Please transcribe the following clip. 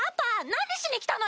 何しに来たのよ！